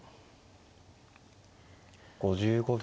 ５５秒。